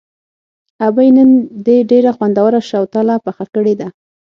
ابۍ نن دې ډېره خوندوره شوتله پخه کړې ده.